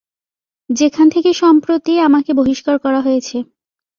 যেখান থেকে সম্প্রতি আমাকে বহিষ্কার করা হয়েছে।